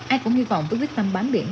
ai cũng hy vọng tức quyết tâm bán biển